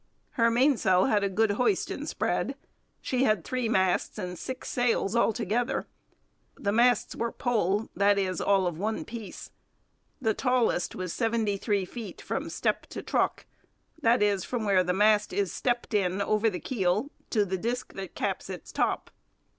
Her mainsail had a good hoist and spread. She had three masts and six sails altogether. The masts were 'pole,' that is, all of one piece. The tallest was seventy three feet from step to truck, that is, from where the mast is stepped in over the keel to the disc that caps its top.